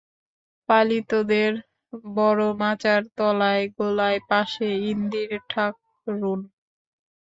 পালিতদের বড় মাচার তলায় গোলার পাশে ইন্দির ঠাকরুন।